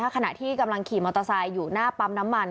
ขณะที่กำลังขี่มอเตอร์ไซค์อยู่หน้าปั๊มน้ำมัน